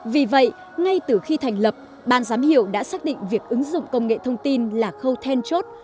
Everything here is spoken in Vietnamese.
vì vậy ngay từ khi thành lập ban giám hiệu đã xác định việc ứng dụng công nghệ thông tin là khâu then chốt